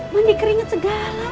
mandi keringet segala